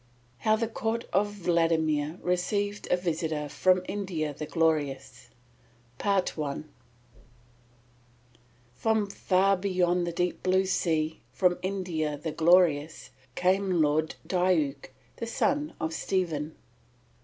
HOW THE COURT OF VLADIMIR RECEIVED A VISITOR FROM INDIA THE GLORIOUS From far beyond the deep blue sea, from India the Glorious, came Lord Diuk the son of Stephen.